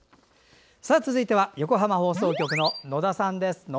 続いては横浜放送局の野田さんです。